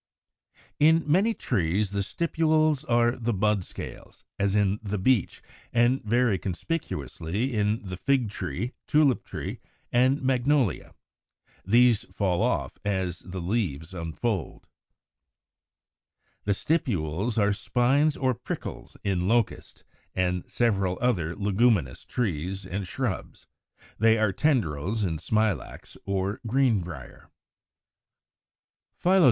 179. In many trees the stipules are the bud scales, as in the Beech, and very conspicuously in the Fig tree, Tulip tree, and Magnolia (Fig. 179). These fall off as the leaves unfold. 180. The stipules are spines or prickles in Locust and several other Leguminous trees and shrubs; they are tendrils in Smilax or Greenbrier. § 4. THE ARRANGEMENT OF LEAVES. 181.